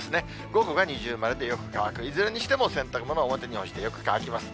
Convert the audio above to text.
午後が二重丸でよく乾く、いずれにしても洗濯物は表に干してよく乾きます。